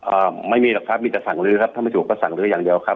อ่าไม่มีหรอกครับมีแต่สั่งลื้อครับถ้าไม่ถูกก็สั่งลื้ออย่างเดียวครับ